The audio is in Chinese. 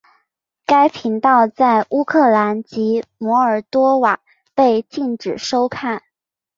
该频道在乌克兰及摩尔多瓦被禁止收看。